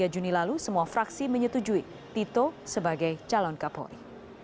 dua puluh tiga juni lalu semua fraksi menyetujui tito sebagai calon kapori